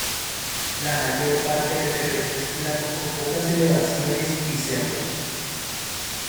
La mayor parte del terreno es plano con pocas elevaciones y cerros.